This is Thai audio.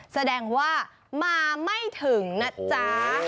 แสดงว่ามาไม่ถึงนะจ๊ะ